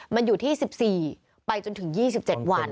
มันอยู่ที่๑๔ไปจนถึง๒๗วัน